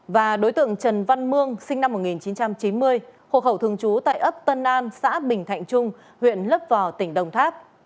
và đối tượng trần văn mương sinh năm một nghìn chín trăm chín mươi hộ khẩu thường trú tại ấp tân an xã bình thạnh trung huyện lấp vò tỉnh đồng tháp